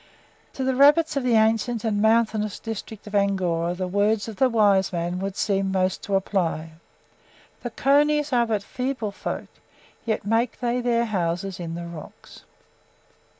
To the rabbits of the ancient and mountainous district of Angora the words of the wise man would seem most to apply, "The conies are but feeble folk, yet make they their houses in the rocks."